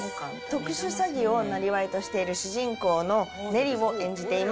特殊詐欺をなりわいとしている主人公のネリを演じています。